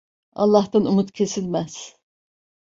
Allah'tan umut kesilmez.